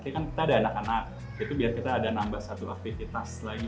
nanti kan kita ada anak anak itu biar kita ada nambah satu aktivitas lagi